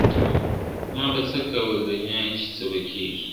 ما به څه کول دنیا چي څه به کیږي !.